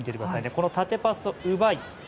ここで縦パスを奪い